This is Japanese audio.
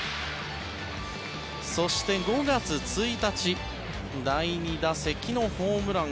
そして、５月１日第２打席のホームラン。